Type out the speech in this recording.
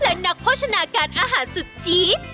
และนักโภชนาการอาหารสุดจี๊ด